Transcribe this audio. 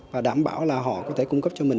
và đảm bảo là họ có thể cung cấp cho mình